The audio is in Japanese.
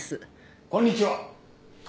・こんにちは。